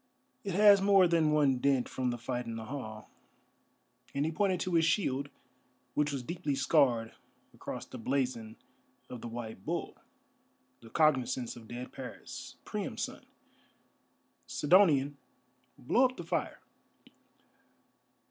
"It has more than one dint from the fight in the hall;" and he pointed to his shield, which was deeply scarred across the blazon of the White Bull, the cognizance of dead Paris, Priam's son. "Sidonian, blow up the fire."